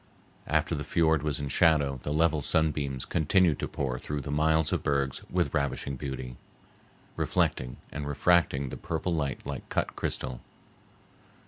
After the fiord was in shadow the level sunbeams continued to pour through the miles of bergs with ravishing beauty, reflecting and refracting the purple light like cut crystal.